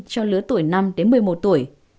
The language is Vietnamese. cho lứa tuổi năm một mươi một tuổi